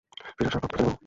ফিরে আসার পথ খুঁজে নেবে?